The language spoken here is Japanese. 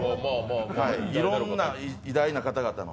いろんな偉大な方々の。